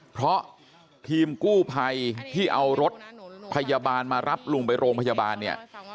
เพราะทีมกู้ภัยที่เอารถพยาบาลมารับลุงไปโรงพยาบาลเนี่ย